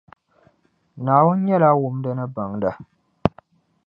Naawuni nyɛla wumda ni baŋda.